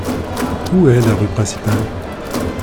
Où est la rue principale ?